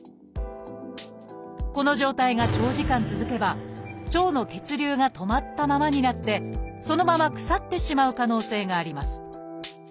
この状態が長時間続けば腸の血流が止まったままになってそのまま腐ってしまう可能性があります